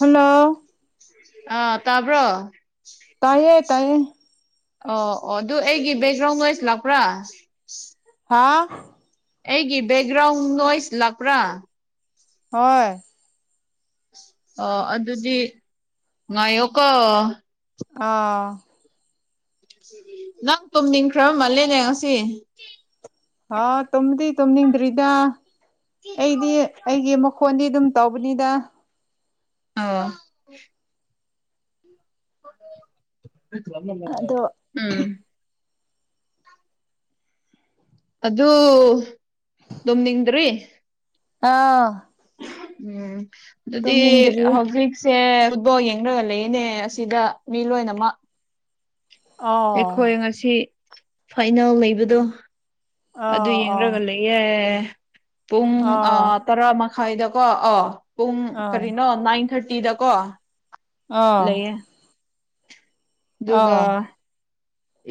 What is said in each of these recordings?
hello ꯑꯥ ꯇꯥꯕ꯭ꯔꯣ ꯇꯥꯏꯌꯦ ꯇꯥꯏꯌꯦ ꯑꯣ ꯑꯣ ꯑꯗꯨ ꯑꯩꯒꯤ ꯕꯦꯛꯒ꯭ꯔꯥꯎꯟ ꯂꯏꯁ ꯂꯥꯛꯄ꯭ꯔꯥ ꯍꯥꯥ ꯑꯩꯒꯤ ꯕꯦꯛꯒ꯭ꯔꯥꯎꯟ ꯅꯣꯏꯁ ꯂꯥꯛꯄ꯭ꯔꯥ ꯍꯣꯏ ꯑꯣ ꯑꯗꯨꯗꯤ ꯉꯥꯏꯌꯣꯀꯣ ꯑ ꯅꯪ ꯇꯨꯝꯅꯤꯡꯈ꯭ꯔꯕ ꯃꯥꯜꯂꯦꯅꯦ ꯉꯁꯤ ꯑ ꯇꯨꯝꯗꯤ ꯇꯨꯝꯅꯤꯡꯗ꯭ꯔꯤꯗ ꯑꯩꯗꯤ ꯑꯩꯒꯤ ꯃꯈꯣꯟꯗꯤ ꯑꯗꯨꯝ ꯇꯣꯕꯅꯤꯗ ꯑꯣ ꯑꯗꯣ ꯎꯝ ꯑꯗꯨ ꯑꯗꯨꯣꯝ ꯅꯤꯡꯗ꯭ꯔꯤ ꯑꯥ ꯎꯝ ꯑꯗꯨꯗꯤ ꯇꯨꯝꯅꯤꯡꯗ꯭ꯔꯤ ꯍꯧꯒ ꯁꯦ ꯎꯠꯕꯣꯜ ꯌꯦꯡꯅꯒ ꯂꯩꯌꯦꯅꯦ ꯑꯁꯤꯗ ꯃꯤ ꯂꯣꯏꯅꯃꯛ ꯑꯥ ꯑꯩꯈꯣꯏ ꯉꯁꯤ ꯐꯥꯏꯅꯦꯜ ꯂꯩꯕꯗꯣ ꯑꯗꯨ ꯑꯥ ꯑꯥ ꯌꯦꯡꯒ ꯂꯩꯌꯦꯦ ꯄꯨꯡ ꯑꯥ ꯇꯔꯥ ꯃꯈꯥꯏꯗꯀꯣ ꯑ ꯄꯨꯡ ꯑꯥ ꯀꯔꯤꯅꯣ ꯅꯥꯏꯟ ꯊꯥꯔꯇꯤꯗꯀꯣ ꯑꯥ ꯑꯥ ꯑꯗꯨꯒꯒ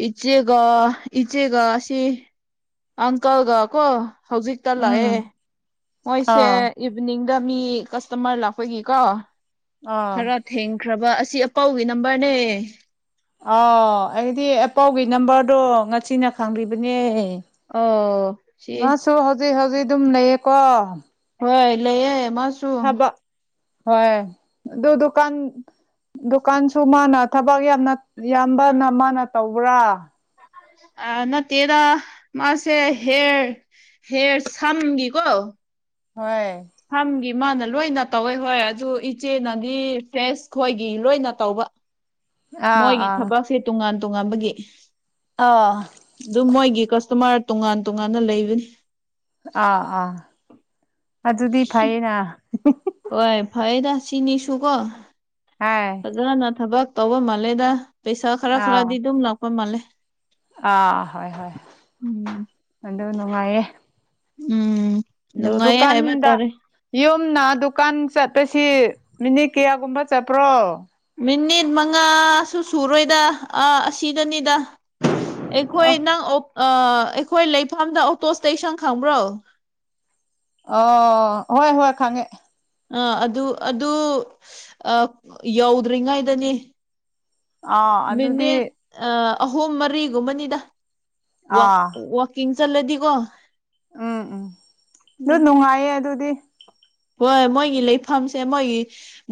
ꯏꯆꯦꯒ ꯏꯆꯦꯒ ꯁꯤ ꯑꯪꯀꯜꯒ ꯀꯣ ꯍꯧꯖꯤꯛꯇ ꯎꯝ ꯂꯥꯛꯑꯦ ꯃꯣꯏꯁꯦ ꯑꯥ ꯏꯚꯅꯤꯡꯗ ꯃꯤ ꯀꯁꯇꯃꯔ ꯂꯥꯛꯄꯒꯤꯀꯣ ꯑꯥ ꯈꯔ ꯊꯦꯡꯈ꯭ꯔꯕ ꯑꯁꯤ ꯑꯄꯥꯎꯒꯤ ꯅꯝꯕꯔꯅꯦ ꯑꯥ ꯑꯩꯗꯤ ꯑꯦꯄꯥꯎꯒꯤ ꯅꯝꯕꯔꯗꯣ ꯉꯁꯤꯅ ꯈꯪꯂꯤꯕꯅꯦ ꯑꯣ ꯁꯤ ꯁꯨ ꯍꯧꯖꯤꯛ ꯍꯧꯖꯤꯛ ꯑꯗꯨꯝ ꯂꯩꯌꯦꯀꯣ ꯍꯣꯏ ꯂꯩ ꯃꯥ ꯊꯕ ꯍꯣꯏ ꯑꯗꯨ ꯗꯨꯀꯥꯟ ꯗꯨꯀꯥꯟꯁꯨ ꯃꯥꯅ ꯊꯕꯛ ꯌꯥꯝꯅ ꯏ ꯌꯥꯝꯕꯅ ꯃꯥꯅ ꯇꯧꯕ꯭ꯔꯥ ꯑ ꯅꯠꯇꯦꯗ ꯃꯥꯁꯦ ꯍꯦꯔ ꯍꯦꯔ ꯁꯝꯒꯤꯀꯣ ꯍꯣꯏ ꯁꯝꯒꯤ ꯃꯥꯅ ꯂꯣꯏꯅ ꯇꯧꯋꯦ ꯍꯣꯏ ꯑꯗꯨ ꯏꯆꯦꯅꯗꯤ ꯐ꯭ꯔꯦꯁ ꯈꯣꯏꯒꯤ ꯂꯣꯏꯅ ꯇꯧꯕ ꯑꯥ ꯃꯣꯏꯒꯤ ꯑꯥ ꯊꯕꯛꯁꯦ ꯇꯣꯉꯥꯟ ꯇꯣꯉꯥꯟꯕꯒꯤ ꯑꯥ ꯃꯣꯏ ꯑꯥ ꯑꯥ ꯑꯗꯨꯗꯤ ꯐꯩꯌꯦꯅ ꯍꯣꯏ ꯐꯩꯗ ꯁꯤꯅꯤꯁꯨꯀꯣ ꯍꯥꯏ ꯐꯖꯅ ꯊꯕꯛ ꯇꯧꯕ ꯃꯥꯜꯂꯦꯗ ꯄꯩꯁꯥ ꯈꯔ ꯑꯥ ꯈꯔꯗꯤ ꯑꯗꯨꯝ ꯂꯥꯛꯄ ꯃꯥꯜꯂꯦ ꯑꯥ ꯍꯣꯏ ꯍꯣꯏ ꯎꯝ ꯑꯗꯨ ꯅꯨꯡꯉꯥꯏꯌꯦ ꯎꯝ ꯑꯗꯨ ꯅꯨꯡꯉꯥꯏꯌꯦ ꯍꯥꯏꯕ ꯗꯨꯀꯥꯟꯗ ꯇꯥꯔꯦ ꯌꯨꯝꯅ ꯗꯨꯀꯥꯟ ꯆꯠꯄꯁꯤ ꯃꯤꯅꯤꯠ ꯀꯌꯥꯒꯨꯝꯕ ꯆꯠꯄ꯭ꯔꯣ ꯃꯤꯅꯤꯠ ꯃꯉꯥꯁꯨ ꯁꯨꯔꯣꯏꯗ ꯑꯥ ꯑꯁꯤꯗꯅꯤꯗ ꯑꯩꯈꯣꯏ ꯑꯣ ꯅꯪ ꯑꯩꯈꯣꯏ ꯂꯩꯐꯝꯗ ꯑꯣꯇꯣꯁꯇꯩ ꯁꯪ ꯈꯪꯕ꯭ꯔꯣ ꯑ ꯍꯣꯏ ꯍꯣꯏ ꯈꯥꯉꯦ ꯑꯥ ꯑꯗꯨ ꯑꯗꯨ ꯌꯧꯗ꯭ꯔꯤꯉꯩꯗꯅꯤ ꯑꯥ ꯑꯗꯨꯗꯤ ꯃꯤꯅꯤꯠ ꯑꯍꯨꯝ ꯃꯔꯤꯒꯨꯝꯕꯅꯤꯗ ꯑꯥ ꯀꯡ ꯆꯜꯂꯦꯗꯤꯀꯣ ꯎꯝ ꯎꯝ ꯑꯗꯨ ꯅꯨꯡꯉꯥꯏꯌꯦ ꯑꯗꯨꯗꯤ ꯍꯣꯏ ꯃꯣꯏꯒꯤ ꯂꯩꯐꯝꯁꯦ ꯃꯣꯏꯒꯤ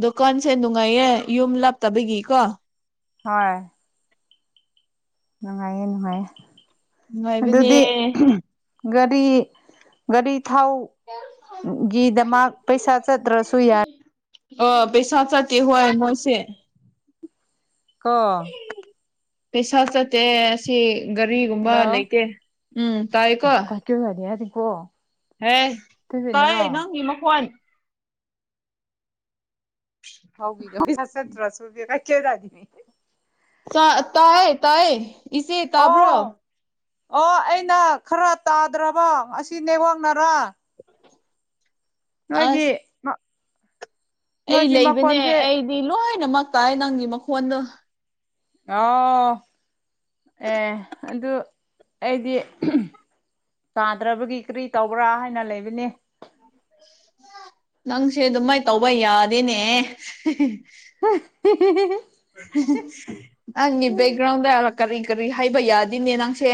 ꯗꯨꯀꯥꯟꯁꯦ ꯅꯨꯡꯉꯥꯏꯌꯦ ꯌꯨꯝ ꯂꯥꯞꯇꯕꯒꯤꯀꯣ ꯍꯣꯏ ꯅꯨꯡꯉꯥꯏꯌꯦ ꯅꯨꯡꯉꯥꯏꯌꯦ ꯅꯨꯡꯉꯥꯏꯕꯅꯦ ꯑꯗꯨꯗꯤ ꯒꯥꯔꯤ ꯒꯥꯔꯤ ꯊꯥꯎ ꯒꯤꯗꯃꯒ ꯄꯩꯁꯥ ꯆꯠꯇ꯭ꯔꯁꯨꯨꯏ ꯌꯥ ꯑ ꯄꯩ ꯁꯥ ꯆ ꯇꯍ ꯃꯁꯦ ꯀ ꯄꯩꯁꯥ ꯆ ꯑꯁꯤ ꯒꯥꯔꯤꯒꯨꯝꯕ ꯍꯜꯂꯣ ꯂꯩꯇꯦ ꯎꯝ ꯇꯥꯏꯀꯣ ꯀ ꯍꯥꯏꯔꯤ ꯌꯥ ꯇꯀꯣ ꯍꯦ ꯇꯥꯏ ꯅꯪꯒꯤ ꯃꯈꯣꯟ ꯍꯥꯎꯒ ꯍꯁ ꯍꯁꯨꯨꯨꯔꯕ ꯀꯦꯗꯗꯅꯤ ꯆ ꯇꯥꯏ ꯇꯥꯏ ꯏꯁꯆꯦ ꯇꯥꯕ꯭ꯔꯣ ꯑꯣ ꯑꯣ ꯑꯩꯅ ꯈꯔ ꯇꯥꯗ꯭ꯔꯕꯣ ꯑꯁꯤ ꯅꯦꯋꯡꯅꯔꯥ ꯑꯁ ꯃꯥꯒꯤ ꯑꯩ ꯂꯩꯕꯅꯦ ꯑꯩꯗꯤ ꯂꯣꯏꯅꯃꯛ ꯇꯥꯏ ꯅꯪꯒꯤ ꯃꯈꯣꯟꯗꯣ ꯑꯣꯥꯎ ꯑꯦ ꯑꯗꯨ ꯑꯩꯗꯤ ꯇꯥꯗ꯭ꯔꯕꯒꯤ ꯀꯔꯤ ꯇꯧꯕ꯭ꯔꯥ ꯍꯥꯏꯅ ꯂꯩꯕꯅꯦ ꯎꯝ ꯅꯪꯁꯦ ꯑꯗꯨꯃꯥꯏꯅ ꯇꯧꯕ ꯌꯥꯗꯦꯅꯦ [inaudible] ꯅꯪꯒꯤ ꯕꯦꯛꯒ꯭ꯔꯥꯎꯟꯗ ꯀꯔꯤ ꯀꯔꯤ ꯍꯥꯏꯕ ꯌꯥꯗꯤꯅꯦ ꯅꯪꯁꯦ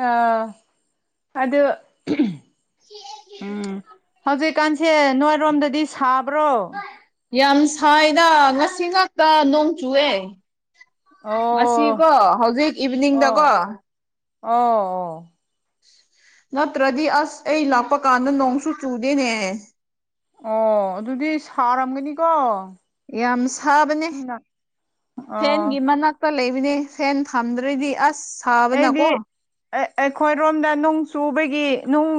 ꯑ ꯑꯗ ꯎꯝ ꯍꯧꯖꯤꯛ ꯍꯧꯖꯤꯀꯥꯟꯁꯦ ꯅꯣꯏꯔꯣꯝꯗꯗꯤ ꯁꯥꯕ꯭ꯔꯣ ꯌꯥꯝ ꯁꯥꯏꯗ ꯉꯁꯤ ꯉꯥꯛꯇ ꯅꯣꯡ ꯆꯨꯑꯦ ꯉꯁꯤ ꯑꯣ ꯀꯣ ꯍꯧꯖꯤꯛ ꯏꯚꯤꯅꯤꯡꯗꯀꯣ ꯑꯣ ꯑꯣ ꯑꯣ ꯅꯠꯇ꯭ꯔꯗꯤ ꯑꯁ ꯑꯩ ꯂꯥꯛꯄ ꯀꯥꯟꯗ ꯅꯣꯡꯁꯨ ꯆꯨꯗꯦꯅꯦ ꯑꯣ ꯑꯗꯨꯗꯤ ꯁꯥꯔꯝꯒꯅꯤꯀꯣ ꯌꯥꯝ ꯁꯥꯕꯅꯦ ꯌꯥꯝꯅ ꯑꯣ ꯐꯦꯟꯒꯤ ꯃꯅꯥꯛ ꯂꯩꯕꯅꯦ ꯐꯦꯟ ꯊꯝꯗ꯭ꯔꯗꯤ ꯑꯁ ꯑꯩꯗꯤ ꯁꯥꯕꯅꯀꯣ ꯑꯩ ꯑꯩꯈꯣꯏꯔꯣꯝꯗ ꯅꯨꯡ ꯆꯨꯕꯒꯤ ꯅꯨꯡ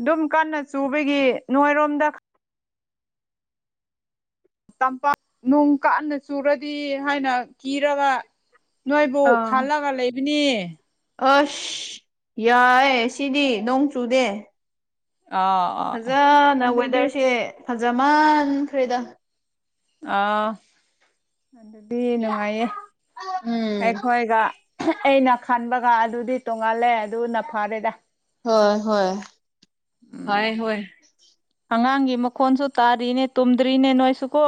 ꯑꯗꯨꯝ ꯀꯟꯅ ꯆꯨꯕꯒꯤ ꯅꯣꯏꯔꯣꯝꯗ ꯇꯝꯄꯥꯛ ꯅꯣꯡ ꯀꯥꯟꯅ ꯆꯨꯔꯗꯤ ꯍꯥꯏꯅ ꯀꯤꯔꯒ ꯅꯣꯏꯕꯨ ꯑꯥ ꯈꯜꯂꯒ ꯂꯩꯕꯅꯤ ꯑꯁ ꯌꯥꯏꯌꯦ ꯁꯤꯗꯤ ꯅꯣꯡ ꯆꯨꯗꯦ ꯑꯥ ꯑꯥ ꯑꯥ ꯐꯖꯅ ꯑꯗꯨꯗꯤ ꯋꯦꯗꯔꯁꯦ ꯐꯖꯃꯥꯟꯈ꯭ꯔꯦꯗ ꯑꯥ ꯑꯗꯨꯗꯤ ꯅꯨꯡꯉꯥꯏꯌꯦ ꯎꯝ ꯑꯩꯈꯣꯏꯒ ꯑꯩꯅ ꯈꯟꯕꯒ ꯑꯗꯨꯗꯤ ꯇꯣꯡꯉꯜꯂꯦ ꯑꯗꯨꯅ ꯐꯔꯦꯗ ꯍꯣꯏ ꯍꯣꯏ ꯎꯝ ꯍꯣꯏ ꯍꯣꯏ ꯑꯉꯥꯡꯒꯤ ꯃꯈꯣꯟꯁꯨ ꯇꯥꯔꯤꯅꯦ ꯇꯨꯝꯗ꯭ꯔꯤꯅꯦ ꯅꯣꯏꯁꯨꯀꯣ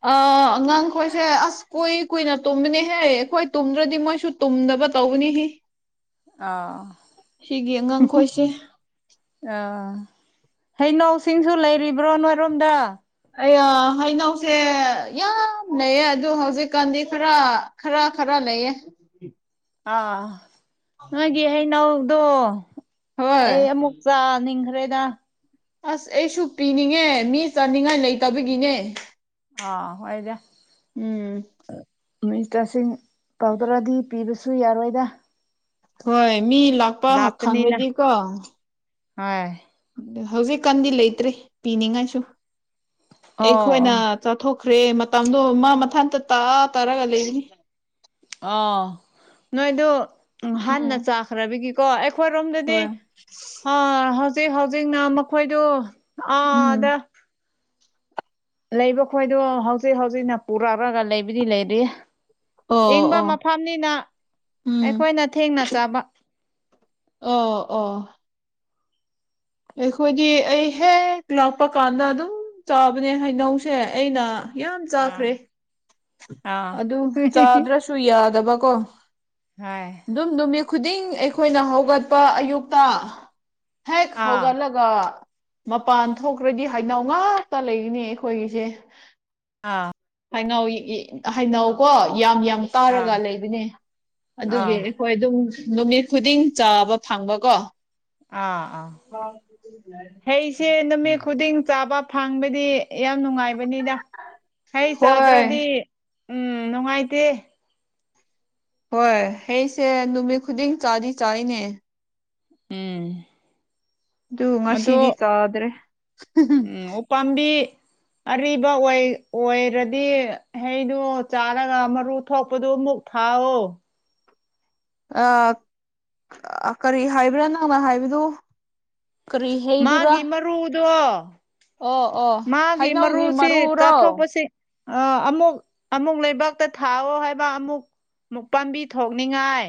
ꯑ ꯑꯉꯥꯡꯈꯣꯏꯁꯦ ꯑꯁ ꯀꯨꯏ ꯀꯨꯏꯅ ꯇꯨꯝꯃꯤꯅꯦꯍꯦ ꯑꯩꯈꯣꯏ ꯇꯨꯝꯗ꯭ꯔꯗꯤ ꯃꯣꯏꯁꯨ ꯇꯨꯝꯗꯕ ꯇꯧꯕꯅꯤꯍꯦ ꯑ ꯁꯤꯒꯤ ꯍꯍ ꯑꯉꯥꯡꯈꯣꯏꯁꯦ ꯑꯥ ꯍꯩꯅꯧꯁꯤꯡꯁꯨ ꯂꯩꯔꯤꯕ꯭ꯔꯣ ꯅꯣꯏꯔꯣꯝꯗ ꯑꯩ ꯌꯥ ꯍꯩꯅꯧꯁꯦ ꯌꯥꯝ ꯂꯩꯌꯦ ꯑꯗꯨ ꯍꯧꯖꯤꯛꯀꯥꯟꯗꯤ ꯈꯔ ꯈꯔ ꯈꯔ ꯂꯩꯌꯦ ꯑꯥ ꯅꯣꯏꯒꯤ ꯍꯩꯅꯩꯗꯣ ꯍꯣꯏ ꯑꯩ ꯑꯃꯨꯛ ꯆꯥꯅꯤꯡꯈ꯭ꯔꯦꯗ ꯑꯁ ꯑꯩꯁꯨ ꯄꯤꯅꯤꯡꯉꯦ ꯃꯤ ꯆꯥꯅꯤꯡꯉꯥꯏ ꯂꯩꯇꯕꯒꯤꯅꯦ ꯑꯥ ꯍꯣꯏꯗ ꯎꯝ ꯃꯤꯅꯤꯁꯇꯔꯁꯤꯡ ꯀꯧꯗ꯭ꯔꯗꯤ ꯄꯤꯕꯁꯨ ꯌꯥꯔꯣꯏꯗ ꯍꯣꯏ ꯃꯤ ꯂꯥꯛ ꯂꯥꯞꯄꯅꯤꯅ ꯍꯣꯏ ꯍꯧꯖꯤꯛꯀꯥꯟꯗꯤ ꯂꯩꯇ꯭ꯔꯤ ꯄꯤꯅꯤꯡꯉꯥꯏꯁꯨ ꯑꯣ ꯑꯩꯈꯣꯏꯅ ꯑꯣ ꯆꯥꯊꯣꯛꯈ꯭ꯔꯦ ꯃꯇꯝꯗꯣ ꯃꯥ ꯃꯊꯟꯇ ꯇꯥ ꯇꯥꯔꯒ ꯂꯩꯅꯤ ꯑꯣ ꯅꯣꯏꯗꯨ ꯎꯝ ꯍꯥꯟꯅ ꯆꯥꯛ ꯈꯔꯕꯤꯒꯤꯀꯣ ꯑꯩꯈꯣꯏꯔꯣꯝꯗꯗꯤ ꯍꯣꯏ ꯍꯧꯖꯤꯛꯅ ꯃꯈꯣꯏꯗꯨ ꯎꯝ ꯑꯥꯗ ꯂꯩꯕ ꯈꯣꯏꯗꯣ ꯍꯧꯖꯤꯛ ꯍꯧꯖꯤꯛꯅ ꯄꯨꯔꯛꯑꯒ ꯂꯩꯕꯨꯗꯤ ꯂꯩꯔꯤꯌꯦ ꯑꯣ ꯏꯪꯕ ꯑꯣ ꯃꯐꯝꯅꯤꯅ ꯎꯝ ꯑꯩꯈꯣꯏꯅ ꯊꯦꯡꯅ ꯆꯥꯕ ꯑꯣ ꯑꯣ ꯑꯩꯈꯣꯏꯗꯤ ꯑꯩ ꯍꯦꯛ ꯂꯥꯛꯄ ꯀꯥꯟꯗ ꯑꯗꯨꯝ ꯆꯥꯕꯅꯦ ꯍꯩꯅꯧꯁꯦ ꯑꯩꯅ ꯌꯥꯝ ꯑꯥ ꯆꯥꯈ꯭ꯔꯦ ꯑꯥ ꯑꯗꯨ ꯆꯥꯗ꯭ꯔꯁꯨ ꯌꯥꯗꯕꯀꯣ ꯍꯣꯏ ꯑꯗꯨꯝ ꯅꯨꯃꯤꯠ ꯈꯨꯗꯤꯡ ꯑꯩꯈꯣꯏꯅ ꯍꯧꯒꯠꯄ ꯑꯌꯨꯛꯇ ꯍꯦꯛ ꯑꯥ ꯍꯧꯒꯠꯂꯒ ꯑꯗꯨꯒ ꯃꯄꯥꯟ ꯊꯣꯛꯈ꯭ꯔꯗꯤ ꯍꯩꯅꯧ ꯉꯥꯛꯇ ꯂꯩꯔꯤꯅꯤ ꯑꯩꯈꯣꯏꯒꯤꯁꯦ ꯑꯥ ꯍꯩꯅꯧ ꯌꯤ ꯏ ꯍꯩꯅꯧꯀꯣ ꯌꯥꯝ ꯌꯥꯝ ꯑꯥ ꯇꯥꯔꯒ ꯂꯩꯕꯅꯦ ꯑꯗꯨꯒꯤ ꯑꯥ ꯍꯣꯏ ꯑꯗꯨꯝ ꯅꯨꯃꯤꯠ ꯈꯨꯗꯤꯡ ꯆꯥꯕ ꯐꯪꯕꯀꯣ ꯑꯥ ꯑꯥ ꯍꯩꯁꯦ ꯅꯨꯃꯤꯠ ꯈꯨꯗꯤꯡ ꯆꯥꯕ ꯐꯪꯕꯗꯤ ꯌꯥꯝ ꯅꯨꯡꯉꯥꯏꯕꯅꯤꯗ ꯍꯩ ꯍꯣꯏ ꯆꯥꯗ꯭ꯔꯗꯤ ꯎꯝ ꯅꯨꯡꯉꯥꯏꯇꯦ ꯍꯣꯏ ꯍꯩꯁꯦ ꯅꯨꯃꯤꯠ ꯈꯨꯗꯤꯡ ꯆꯥꯗꯤ ꯆꯥꯔꯤꯅꯦ ꯎꯝ ꯑꯗꯣ ꯨꯉꯁꯤꯗꯤ ꯆꯥꯗ꯭ꯔꯦ ꯄꯥꯝꯕꯤ ꯑꯔꯤꯕ ꯑꯣꯏꯔꯗꯤ ꯍꯩꯗꯨ ꯆꯥꯔꯒ ꯃꯔꯨ ꯊꯣꯛꯄꯗꯨ ꯑꯃꯨꯛ ꯊꯥꯎ ꯑ ꯀꯔꯤ ꯍꯥꯏꯕ꯭ꯔꯥ ꯅꯪꯅ ꯍꯥꯏꯕꯗꯨ ꯀꯔꯤ ꯍꯩꯗꯨꯔꯥ ꯃꯥꯒꯤ ꯃꯔꯨꯗꯣ ꯑꯣ ꯑꯣ ꯃꯥꯒꯤ ꯍꯩꯅꯧꯒꯤ ꯃꯔꯨꯁꯤ ꯃꯔꯨꯔꯣ ꯆꯥꯊꯣꯛꯄꯁꯤ ꯑ ꯑꯃꯨꯛ ꯑꯃꯨꯛ ꯂꯩꯕꯥꯛꯇ ꯊꯥꯑꯣ ꯍꯥꯏꯕ ꯑꯃꯨꯛ ꯃꯨꯛ ꯄꯥꯝꯕꯤ ꯊꯣꯛꯅꯤꯡꯉꯥꯏ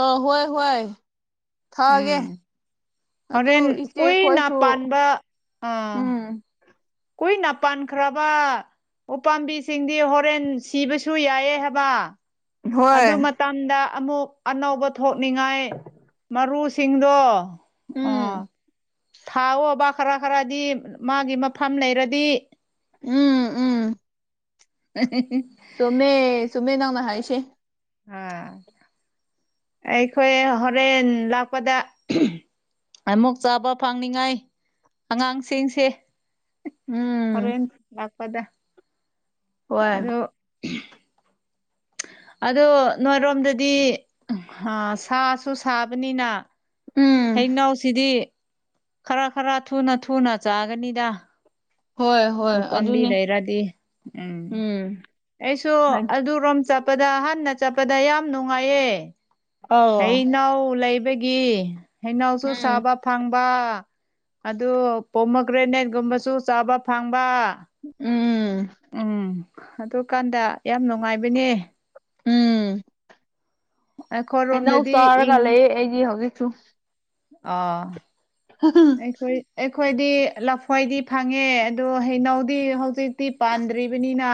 ꯑ ꯍꯣꯏ ꯍꯣꯏ ꯊꯥꯒꯦ ꯎꯝ ꯑꯗꯨ ꯍꯣꯔꯦꯟ ꯏꯆꯦ ꯀꯨꯏꯅ ꯑꯩꯈꯣꯏꯁꯨ ꯄꯥꯟꯕ ꯑꯥ ꯎꯝ ꯀꯨꯏꯅ ꯄꯥꯟꯈ꯭ꯔꯕ ꯎꯄꯥꯝꯕꯤꯁꯤꯡꯗꯤ ꯍꯣꯔꯦꯟ ꯁꯤꯕꯁꯨ ꯌꯥꯏꯑ ꯍꯥꯏꯕ ꯍꯣꯏ ꯑꯗꯨ ꯃꯇꯝꯗ ꯑꯃꯨꯛ ꯑꯅꯧꯕ ꯊꯣꯛꯅꯤꯡꯉꯥꯏ ꯃꯔꯨꯁꯤꯡꯗꯣ ꯑ ꯎꯝ ꯊꯥꯑꯣꯕ ꯈꯔ ꯈꯔꯗꯤ ꯃꯥꯒꯤ ꯃꯐꯝ ꯂꯩꯔꯗꯤ ꯎꯝ ꯎꯝ [unintelligible] ꯆꯨꯝꯃꯦ ꯆꯨꯝꯃꯦ ꯅꯪꯅ ꯍꯥꯏꯁꯦ [unintelligible] ꯑꯩꯈꯣꯏ ꯍꯣꯔꯦꯟ ꯂꯥꯛꯄꯗ ꯑꯃꯨꯛ ꯆꯥꯕ ꯐꯪꯅꯤꯡꯉꯥꯏ ꯑꯉꯥꯡꯁꯤꯡꯁꯦ ꯎꯝ ꯍꯣꯔꯦꯟ ꯂꯥꯛꯄꯗ ꯍꯣꯏ ꯑꯗꯨ ꯑꯗ ꯅꯣꯏꯔꯣꯝꯗꯗꯤ ꯁꯥꯁꯨ ꯁꯥꯕꯅꯤꯅ ꯎꯝ ꯍꯩꯅꯥꯎꯁꯤꯗꯤ ꯈꯔ ꯈꯔ ꯊꯨꯅ ꯊꯨꯅ ꯆꯥꯒꯅꯤꯗ ꯍꯣꯏ ꯍꯣꯏ ꯎꯄꯥꯝꯕꯤ ꯑꯗꯨꯅꯦ ꯂꯩꯔꯗꯤ ꯎꯝ ꯑꯩꯁꯨ ꯍꯥꯏ ꯑꯗꯨꯔꯣꯝ ꯆꯠꯄꯗ ꯍꯍꯟꯅ ꯆꯠꯄꯗ ꯌꯥꯝ ꯅꯨꯡꯉꯥꯏꯌꯦ ꯑꯧ ꯍꯅꯥꯎ ꯂꯩꯕꯒꯤ ꯍꯩꯩꯅꯎꯁꯨ ꯎꯝ ꯁꯥꯕ ꯐꯪꯕ ꯑꯗꯨ ꯄꯣꯃꯣ ꯒ꯭ꯔꯦꯅꯦꯠꯀꯨꯝꯕꯁꯨ ꯆꯥꯕ ꯐꯪꯕ ꯎꯝ ꯎꯝ ꯑꯗꯨ ꯀꯥꯟꯗ ꯌꯥꯝ ꯅꯨꯡꯉꯥꯏꯕꯅꯦ ꯎꯝ ꯍꯩꯅꯧ ꯑꯩꯈꯣꯏꯔꯣꯝꯗꯗꯤ ꯆꯥꯔꯒ ꯂꯩꯌꯦ ꯑꯩꯗꯤ ꯍꯧꯖꯤꯛꯁꯨ ꯑ ꯍ ꯍ ꯣꯏ ꯑꯩꯈꯣꯏꯗꯤ ꯂꯐꯣꯏꯗꯤ ꯐꯪꯉꯦ ꯑꯗꯣ ꯍꯩꯅꯧꯗꯤ ꯍꯧꯖꯤꯛ ꯁꯛꯇꯤ ꯄꯥꯟꯗ꯭ꯔꯤꯕꯅꯤꯅ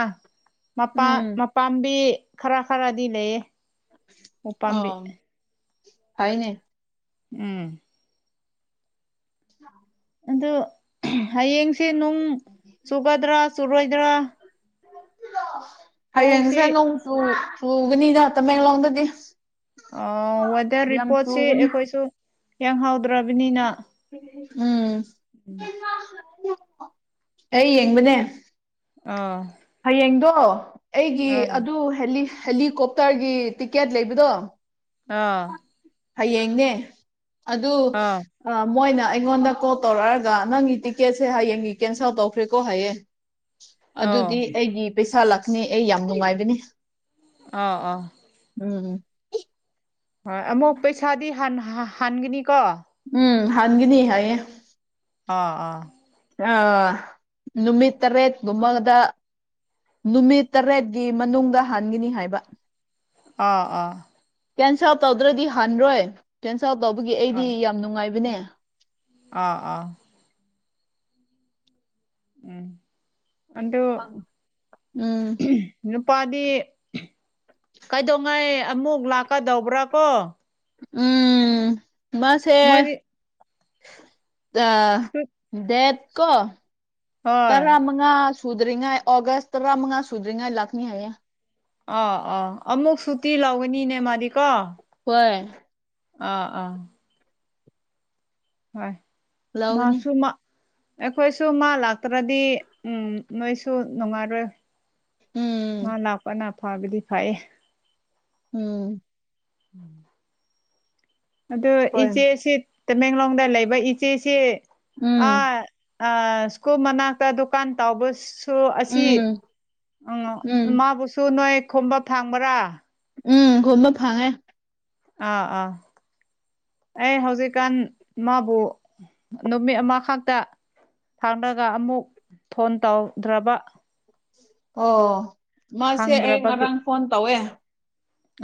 ꯎꯝ ꯃꯄꯥꯝꯕꯤ ꯈꯔ ꯈꯔꯗꯤ ꯂꯩ ꯑ ꯍꯥꯏꯥꯏꯅꯦ ꯎꯝ ꯑ ꯑꯗꯨ ꯍꯌꯦꯡꯁꯦ ꯅꯨꯡ ꯆꯨꯒꯗ꯭ꯔꯥ ꯆꯨꯔꯣꯏꯗ꯭ꯔꯥ ꯍꯌꯦꯡꯁꯦ ꯄꯥꯎꯁꯤ ꯅꯣꯡꯨ ꯆꯨꯒꯅꯤꯅ ꯇꯃꯦꯡꯂꯣꯡꯗꯗꯤ ꯑ ꯋꯦꯗꯔ ꯌꯥꯝ ꯔꯤꯄꯣꯔꯠꯁꯤ ꯆꯨꯒꯅꯤ ꯑꯩꯈꯣꯏꯁꯨ ꯌꯦꯡꯍꯥꯎꯗ꯭ꯔꯕꯅꯤꯅ ꯎꯝ ꯑꯩ ꯌꯦꯡꯕꯅꯦ ꯑꯥ ꯍꯌꯦꯡꯗꯣ ꯑꯩꯒꯤ ꯑꯥ ꯑꯗꯨ ꯍꯦꯂꯤꯀꯣꯞꯇꯔꯒꯤ ꯇꯤꯛꯀꯦꯠ ꯂꯩꯕꯗꯣ ꯑꯥ ꯍꯌꯦꯡꯅꯦ ꯑꯗꯨ ꯑꯥ ꯑ ꯃꯣꯏꯅ ꯑꯩꯉꯣꯟꯗ ꯀꯣꯜ ꯇꯧꯔꯛꯑꯒ ꯅꯪꯒꯤ ꯇꯤꯛꯀꯦꯠꯁꯦ ꯍꯌꯦꯡꯒꯤ ꯀꯦꯟꯁꯦꯜ ꯇꯧꯈ꯭ꯔꯦꯀꯣ ꯍꯌꯦꯡ ꯑꯥ ꯑꯗꯨꯗꯤ ꯑꯩꯒꯤ ꯄꯩꯁꯥ ꯂꯥꯛꯅꯤ ꯑꯩ ꯌꯥꯝ ꯅꯨꯡꯉꯥꯏꯕꯅꯤ ꯑ ꯑ ꯎꯝ ꯍꯣꯏ ꯑꯃꯨꯛ ꯄꯩꯁꯥꯗꯤ ꯍꯟꯒꯅꯤꯀꯣ ꯎꯝ ꯍꯥꯟꯒꯤꯅꯤ ꯍꯥꯏꯌꯦ ꯑꯥ ꯑꯥ ꯑ ꯅꯨꯃꯤꯠ ꯇꯔꯦ ꯃꯒꯗ ꯅꯨꯃꯤꯠ ꯇꯔꯦꯠꯀꯤ ꯃꯅꯨꯡꯗ ꯍꯟꯒꯤꯅꯤ ꯍꯥꯏꯕ ꯑꯥ ꯑ ꯀꯦꯟꯁꯦꯜ ꯑꯥꯎꯠ ꯇꯧꯗ꯭ꯔꯗꯤ ꯍꯥꯟꯔꯣꯏ ꯀꯦꯟꯁꯦꯜ ꯑꯥꯎ ꯇꯧꯕꯒꯤ ꯑꯥ ꯑꯩꯗꯤ ꯌꯥꯝ ꯅꯨꯡꯉꯥꯏꯕꯅꯦ ꯑꯥ ꯑꯥ ꯎꯝ ꯑꯗꯣ ꯎꯝ ꯅꯨꯄꯥꯗꯤ ꯀꯩꯗꯧꯉꯥꯏ ꯑꯃꯨꯛ ꯂꯥꯛꯀꯗꯧꯕ꯭ꯔꯥ ꯀꯣ ꯎꯝ ꯃꯁꯦ ꯃꯣꯏꯗꯤ ꯑ ꯁꯨꯠ ꯗꯦꯠ ꯀꯣ ꯍꯣꯏ ꯇꯔꯃ ꯃꯉ ꯁꯙꯔꯤꯉ ꯑꯣꯒꯁ ꯇꯔꯥ ꯃꯉꯥ ꯁꯙꯔꯤ ꯏꯂꯛꯅꯤ ꯍꯥꯏꯒ ꯑꯥ ꯑꯥ ꯑꯃꯨꯛ ꯁꯨꯇꯤ ꯂꯥꯎꯒꯅꯤꯅꯦ ꯃꯥꯗꯤ ꯀꯣ ꯍꯣꯏ ꯑꯥ ꯑꯥ ꯍꯣꯏ ꯂꯧꯒꯅꯤ ꯃꯥꯁꯨ ꯃꯥ ꯑꯩꯈꯣꯏꯁꯨ ꯃꯥ ꯂꯥꯛꯇ꯭ꯔꯗꯤ ꯅꯣꯏꯁꯨ ꯅꯨꯡꯉꯥꯏꯔꯣꯏ ꯎꯝ ꯂꯥꯛꯄꯅ ꯐꯕꯗꯤ ꯐꯌꯦ ꯎꯝ ꯎꯝ ꯑꯗꯨ ꯍꯣꯏ ꯏꯆꯦꯁꯤ ꯇꯃꯦꯡꯂꯣꯡꯗ ꯂꯩꯕ ꯏꯆꯦꯁꯤ ꯎꯝ ꯑ ꯑ ꯁ꯭ꯀꯨꯜ ꯃꯅꯥꯛꯇ ꯗꯨꯀꯥꯟ ꯇꯥꯎꯕ ꯁꯨ ꯑꯁꯤ ꯎꯝ ꯎꯝ ꯃꯥꯕꯨꯁꯨ ꯅꯣꯏ ꯈꯣꯝꯕ ꯐꯥꯡꯕ꯭ꯔꯥ ꯎꯝ ꯈꯨꯣꯃꯞ ꯐꯉꯦ ꯑꯥ ꯑꯥ ꯑꯩ ꯍꯧꯖꯤꯛꯀꯥꯟ ꯃꯥꯕꯨ ꯅꯨꯃꯤꯠ ꯑꯃꯈꯛꯇ ꯊꯥꯡꯂꯒ ꯑꯃꯨꯛ ꯐꯣꯟ ꯇꯧꯗ꯭ꯔꯕ ꯑꯣ ꯃꯥꯁꯦ ꯑꯩ ꯈꯪꯗ꯭ꯔꯕꯒꯤ ꯉꯔꯥꯡ ꯐꯣꯟ ꯇꯧꯋꯦ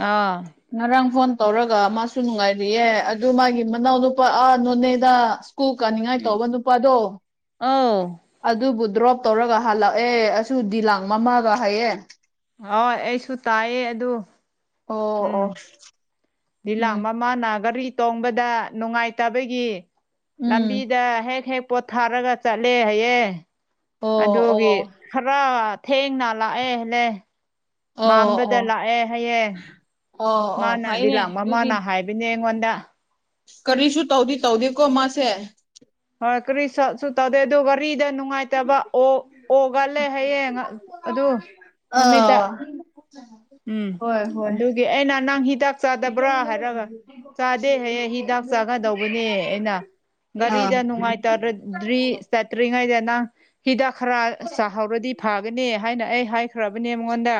ꯑꯥ ꯉꯔꯥꯡ ꯐꯣꯟ ꯇꯧꯔꯒ ꯃꯥꯁꯨ ꯅꯨꯡꯉꯥꯏꯔꯤꯌꯦ ꯑꯗꯨ ꯃꯥꯒꯤ ꯃꯅꯥꯎꯅ ꯅꯨꯄꯥ ꯑꯥ ꯅꯣꯅꯦꯗ ꯀꯨ ꯀꯥꯅꯤꯡꯉꯥꯏ ꯎꯝ ꯇꯧꯕ ꯅꯨꯄꯥꯗꯣ ꯑꯧ ꯑꯗꯨꯕꯨ ꯗ꯭ꯔꯣꯞ ꯇꯧꯔꯒ ꯍꯜꯂꯛꯑꯦ ꯑ ꯗꯤ ꯂꯥꯡ ꯃꯃꯥꯒ ꯍꯥꯏꯌꯦꯦ ꯍꯣꯏ ꯑꯩꯁꯨ ꯇꯥꯏꯌꯦ ꯑꯗꯨ ꯑꯣ ꯑꯣ ꯂꯤꯂꯥꯛ ꯎꯝ ꯃꯃꯥꯅ ꯒꯥꯔꯤ ꯇꯣꯡꯕꯗ ꯅꯨꯡꯉꯥꯏꯇꯕꯒꯤ ꯎꯝ ꯂꯝꯕꯤꯗ ꯍꯦꯛ ꯍꯦꯛ ꯄꯣꯠꯊꯥꯔꯒ ꯆꯠꯂꯦ ꯍꯌꯦꯡ ꯑꯣ ꯑꯣ ꯑꯗꯨꯒꯤ ꯈꯔ ꯊꯦꯡꯅ ꯂꯥꯛꯑꯦꯜꯂꯦ ꯑꯣ ꯃꯝꯕꯗ ꯑꯣ ꯂꯥꯛꯑꯦ ꯍꯥꯏꯌꯦꯦ ꯑꯣ ꯑꯣ ꯃꯥꯅꯗꯤ ꯐꯩꯅꯦ ꯂꯥꯛ ꯃꯥ ꯑꯗꯨꯗꯤ ꯃꯥꯅ ꯍꯥꯏꯕꯅꯦ ꯑꯩꯉꯣꯟꯗ ꯀꯔꯤꯁꯨ ꯇꯧꯗꯤ ꯇꯧꯗꯦꯀꯣ ꯃꯥꯁꯦ ꯍꯣꯏ ꯀꯔꯤꯁꯥ ꯁꯇꯥꯗ ꯗꯣꯕꯔ ꯐꯔꯤꯗ ꯅꯨꯡꯉꯥꯏꯇꯕ ꯑꯣ ꯑꯣꯒꯂ ꯍꯌꯦꯡ ꯑꯗꯨ ꯅꯨꯃꯤꯠꯇ ꯎ ꯎꯝ ꯑꯗꯨꯒꯤ ꯑꯩꯅ ꯅꯪ ꯍꯤꯗꯥꯛ ꯆꯥꯛ ꯆꯥꯗꯕ꯭ꯔꯥ ꯍꯥꯏꯔꯒ ꯆꯥꯗꯦ ꯍꯌꯦꯡ ꯍꯤꯗꯥꯛ ꯆꯥꯒꯗꯧꯕꯅꯦ ꯑꯩꯅ ꯑꯥ ꯒꯥꯔꯤꯗ ꯅꯨꯡꯉꯥꯏꯇꯔꯗ꯭ꯔꯤ ꯆꯠꯇ꯭ꯔꯤꯉꯩꯗ ꯅꯪ ꯍꯤꯗꯥꯛ ꯈꯔ ꯆꯥꯍꯧꯔꯗꯤ ꯐꯒꯅꯤ ꯍꯥꯏꯅ ꯑꯩ ꯍꯥꯏꯈ ꯈꯔꯥꯕ ꯅꯦꯝ ꯃꯃꯉꯣꯟꯗ